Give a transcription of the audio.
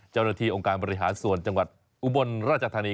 เจ้าหน้าที่องค์การบริหารส่วนจังหวัดอุบลราชธานี